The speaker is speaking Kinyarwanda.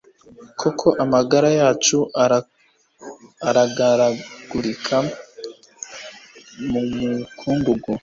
Koko amagara yacu aragaragurika mu mukungugu